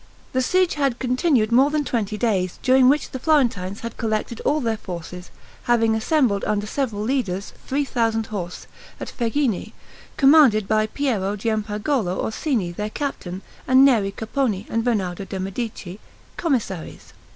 The siege had continued more than twenty days, during which the Florentines had collected all their forces, having assembled under several leaders, three thousand horse, at Fegghine, commanded by Piero Giampagolo Orsini, their captain, and Neri Capponi and Bernardo de' Medici, commissaries.